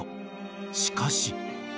［しかし］